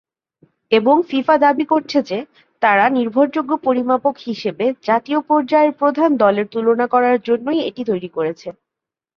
এবং ফিফা দাবী করছে যে তারা নির্ভরযোগ্য পরিমাপক হিসেবে জাতীয় পর্যায়ের প্রধান দলের তুলনা করার জন্যই এটি তৈরী করেছে।